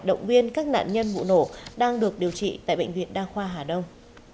động viên các nạn nhân vụ nổ đang được điều trị tại bệnh viện đa khoa hà đông